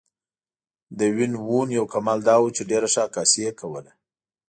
د وین وون یو کمال دا و چې ډېره ښه عکاسي یې کوله.